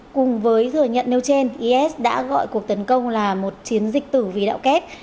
cùng với thừa nhận nêu trên is đã gọi cuộc tấn công là một chiến dịch tử vì đạo kép